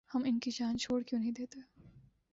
ہم ان کی جان چھوڑ کیوں نہیں دیتے؟